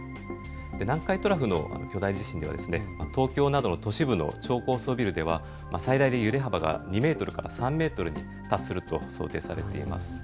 南海トラフの巨大地震では東京などの都市部の超高層ビルでは最大で揺れ幅が２メートルから３メートルに達すると想定されています。